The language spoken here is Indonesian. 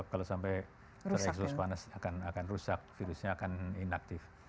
kalau sampai terekspos panas akan rusak virusnya akan inaktif